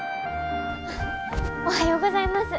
おはようございます。